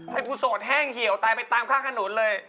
ให้กูโสดแห้งเหี่ยวตายไปตามข้างถนนเลย